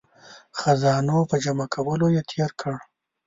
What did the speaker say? خزانو په جمع کولو یې تیر کړ.